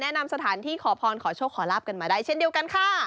นำสถานที่ขอพรขอโชคขอลาบกันมาได้เช่นเดียวกันค่ะ